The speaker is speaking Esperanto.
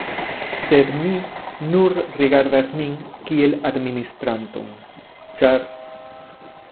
Sed mi nur rigardas min kiel administranton, ĉar.